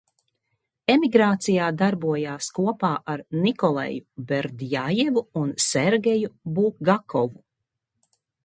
Emigrācijā darbojās kopā ar Nikolaju Berdjajevu un Sergeju Bulgakovu.